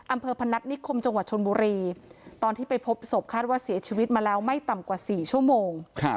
พนัฐนิคมจังหวัดชนบุรีตอนที่ไปพบศพคาดว่าเสียชีวิตมาแล้วไม่ต่ำกว่า๔ชั่วโมง